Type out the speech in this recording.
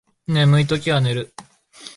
眠いときは寝る